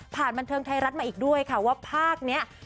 บันเทิงไทยรัฐมาอีกด้วยค่ะว่าภาคนี้